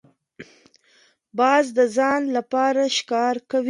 باز د ځان لپاره ښکار کوي